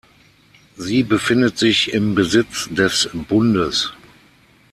Sie befindet sich im Besitz des Bundes.